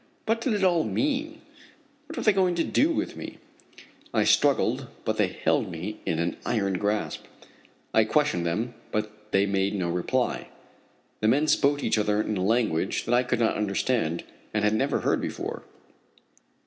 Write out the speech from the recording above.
What did it all mean? What were they going to do with me? I struggled, but they held me in an iron grasp. I questioned them, but they made no reply. The men spoke to each other in a language that I could not understand, and had never heard before.